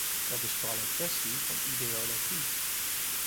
Dat is vooral een kwestie van ideologie.